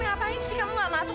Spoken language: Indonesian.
ngapain sih kamu gak masuk